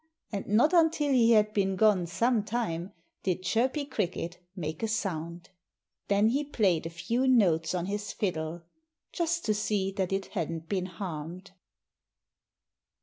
And not until he had been gone some time did Chirpy Cricket make a sound. Then he played a few notes on his fiddle, just to see that it hadn't been harmed.